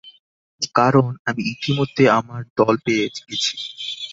কারণ, আমি ইতোমধ্যে আমার দল পেয় গেছি।